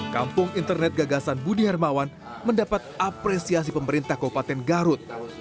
kampung internet gagasan budi hermawan mendapat apresiasi pemerintah kabupaten garut